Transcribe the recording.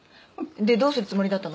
でどうするつもりだったの？